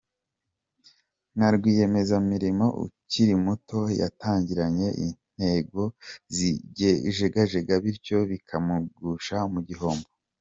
Nka rwiyemezamirimo ukiri muto, yatangiranye intego zijegajega bityo bikamugusha mu gihombo.